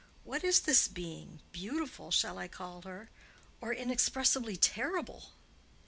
"What is this being? Beautiful shall I call her, or inexpressibly terrible?"